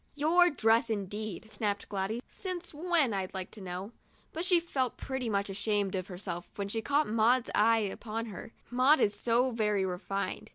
Your dress indeed !" snapped Gladys ;" since when, I'd like to know ?" But she felt pretty much ashamed of herself when she caught Maud's eyes upon her — Maud is so very refined.